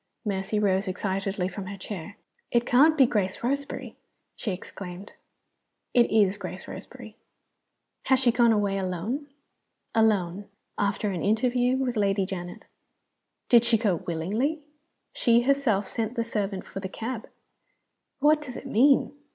Mercy rose excitedly from her chair. "It can't be Grace Roseberry?" she exclaimed. "It is Grace Roseberry." "Has she gone away alone?" "Alone after an interview with Lady Janet." "Did she go willingly?" "She herself sent the servant for the cab." "What does it mean?"